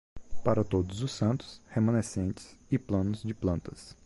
Para Todos os Santos, remanescentes e planos de plantas.